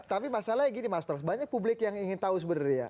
tapi masalahnya gini mas pras banyak publik yang ingin tahu sebenarnya ya